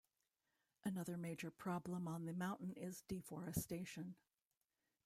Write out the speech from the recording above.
Another major problem on the mountain is deforestation.